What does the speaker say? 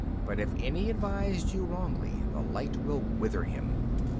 But if any advised you wrongly, the light will wither him."